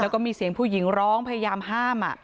แล้วก็มีเสียงผู้หญิงร้องพยายามห้าม